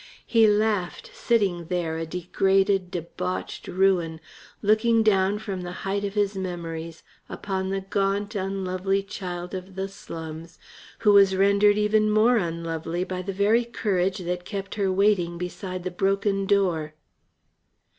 He laughed, sitting there a degraded, debauched ruin, looking down from the height of his memories upon the gaunt, unlovely child of the slums who was rendered even more unlovely by the very courage that kept her waiting beside the broken door.